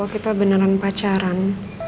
kalau kita beneran pacaran